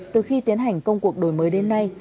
từ khi tiến hành công cuộc đổi mới đến nay